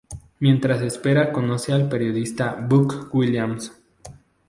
Mientras espera conoce al periodista Buck Williams.